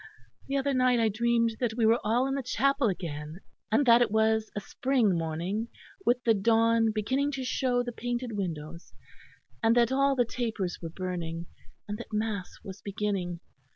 The other night I dreamed that we were all in the chapel again, and that it was a spring morning, with the dawn beginning to show the painted windows, and that all the tapers were burning; and that mass was beginning.